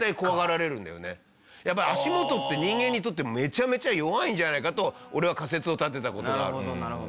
やっぱり足元って人間にとってめちゃめちゃ弱いんじゃないかと俺は仮説を立てた事がある。